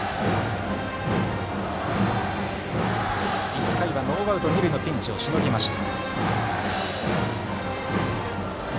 １回はノーアウト二塁のピンチをしのぎました。